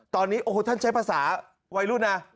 ตอนนี้โอ้โหท่านใช้ภาษาวัยรุ่นนะ